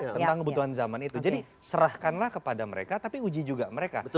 tentang kebutuhan zaman itu jadi serahkanlah kepada mereka tapi uji juga mereka